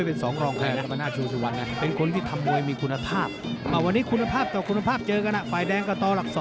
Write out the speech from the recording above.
เออไอ้เจ้าทวนกกรรมนาฏ